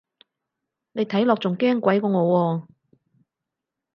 你睇落仲驚鬼過我喎